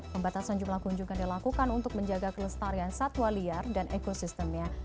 pembatasan jumlah kunjungan dilakukan untuk menjaga kelestarian satwa liar dan ekosistemnya